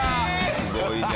すごいね。